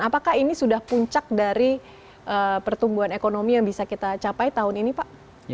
apakah ini sudah puncak dari pertumbuhan ekonomi yang bisa kita capai tahun ini pak